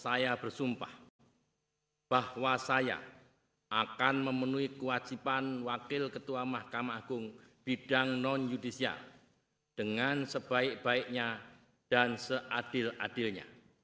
saya bersumpah bahwa saya akan memenuhi kewajiban wakil ketua mahkamah agung bidang non yudisial dengan sebaik baiknya dan seadil adilnya